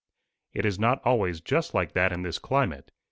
"It is not always just like that in this climate.